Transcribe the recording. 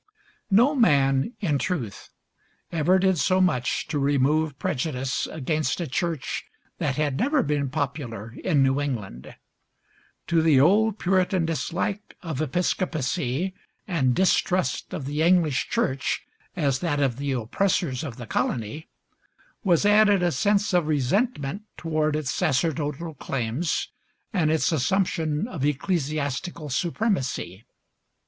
No man, in truth, ever did so much to remove prejudice against a Church that had never been popular in New England. To the old Puritan dislike of Episcopacy and distrust of the English Church as that of the oppressors of the colony, was added a sense of resentment toward its sacerdotal claims and its assumption of ecclesiastical supremacy.